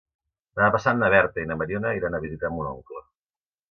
Demà passat na Berta i na Mariona iran a visitar mon oncle.